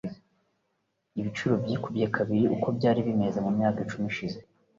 Ibiciro byikubye kabiri uko byari bimeze mumyaka icumi ishize .